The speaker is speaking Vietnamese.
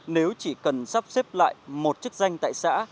nếu chỉ cần sắp xếp lại một chức danh tại xã